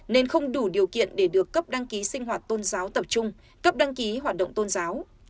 nên không đủ điều kiện để được cấp đăng ký sinh hoạt tôn giáo tập trung cấp đăng ký hoạt động tôn giáo